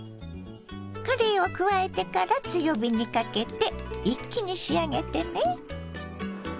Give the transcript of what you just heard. かれいを加えてから強火にかけて一気に仕上げてね。